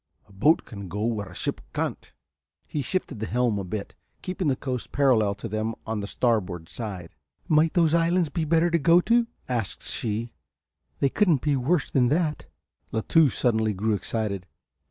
A boat can go where a ship can't." He shifted the helm a bit, keeping the coast parallel to them on the starboard side. "Might those islands be better to go to?" asked she, "they couldn't be worse than that." La Touche suddenly grew excited.